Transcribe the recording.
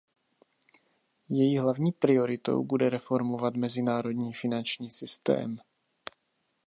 Její hlavní prioritou bude reformovat mezinárodní finanční systém.